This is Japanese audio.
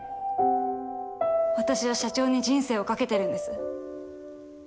私は社長に人生を懸けてるんです。